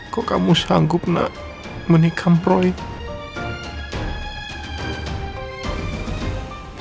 kok kamu sanggup nak menikam proyek